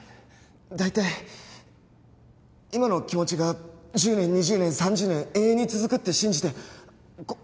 大体今の気持ちが１０年２０年３０年永遠に続くって信じてこ